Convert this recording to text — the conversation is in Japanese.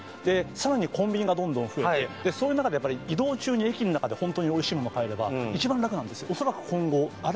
さらにコンビニがどんどん増えてそういう中でやっぱり移動中に駅の中でホントにおいしいもの買えれば一番楽なんですよ